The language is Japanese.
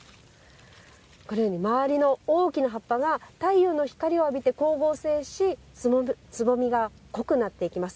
このように周りの大きな葉っぱが太陽の光を浴びて光合成しつぼみが濃くなっていきます。